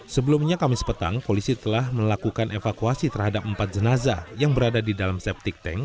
sebelumnya kamis petang polisi telah melakukan evakuasi terhadap empat jenazah yang berada di dalam septic tank